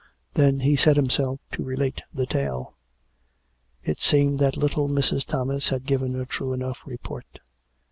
Then he set himself to relate the tale. It seemed that little Mrs. Thomas had given a true enough report.